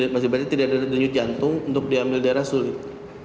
masih berarti tidak ada denyut jantung untuk diambil darah sulit